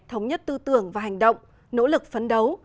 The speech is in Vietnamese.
thống nhất tư tưởng và hành động nỗ lực phấn đấu